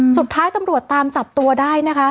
สุดท้ายตำรวจตามจับตัวได้นะคะ